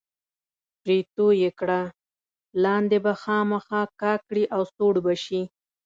پرې توی یې کړه، لاندې به خامخا کا کړي او سوړ به شي.